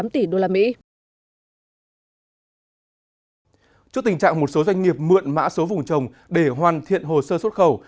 trước tình trạng một số doanh nghiệp mượn mã số vùng trồng để hoàn thiện hồ sơ xuất khẩu